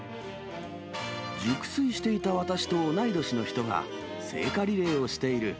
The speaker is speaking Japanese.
熟睡していた私と同い年の人が、聖火リレーをしている。